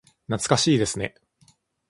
懐かしいですね。